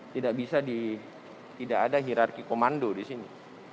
tidak bisa di tidak ada hirarki komando di sini